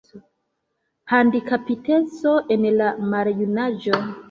Handikapiteco en la maljunaĝo.